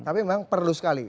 tapi memang perlu sekali